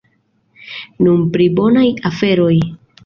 Nun pri bonaj aferoj.